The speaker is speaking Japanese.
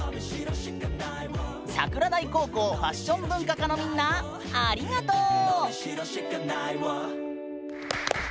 桜台高校ファッション文化科のみんなありがとう！